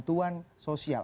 terutama dengan bantuan sosial